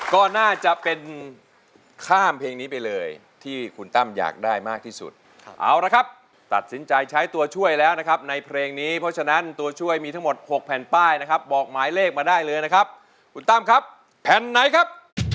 ก็น่าจะเป็นข้ามเพลงนี้ไปเลยที่คุณตั้มอยากได้มากที่สุดเอาละครับตัดสินใจใช้ตัวช่วยแล้วนะครับในเพลงนี้เพราะฉะนั้นตัวช่วยมีทั้งหมด๖แผ่นป้ายนะครับบอกหมายเลขมาได้เลยนะครับคุณตั้มครับแผ่นไหนครับ